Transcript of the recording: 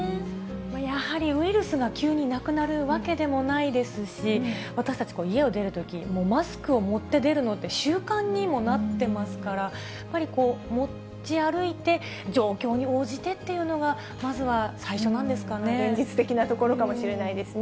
やはりウイルスが急になくなるわけでもないですし、私たち、家を出るときマスクを持って出るのって、習慣にもなってますから、やっぱり持ち歩いて状況に応じてっていうのが、まずは最初なんで現実的なところかもしれないですね。